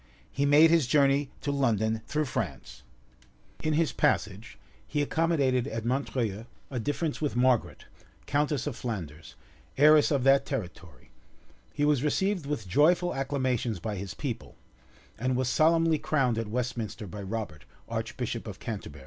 He made his journey to London through France; in his passage, he accommodated at Montreuil a difference with Margaret, countess of Flanders, heiress of that territory;[] he was received with joyful acclamations by his people, and was solemnly crowned at Westminster by Robert, archbishop of Canterbury.